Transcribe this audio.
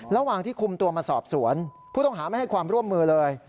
ระหว่างที่คุมตัวมาสอบสวนผู้ต้องหาไม่ให้ความร่วมมือเลย